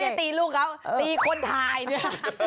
ไม่ได้ตีลูกเขาตีคนทายเนี่ย